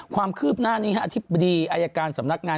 ความคืบหน้านี้อธิบดีอายการสำนักงาน